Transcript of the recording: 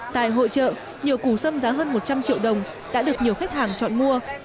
tại hội trợ nhiều củ xâm giá hơn một trăm linh triệu đồng đã được nhiều khách hàng chọn mua